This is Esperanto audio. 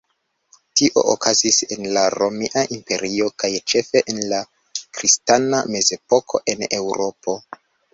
Tio okazis en la Romia Imperio kaj ĉefe en la kristana Mezepoko en Eŭropo.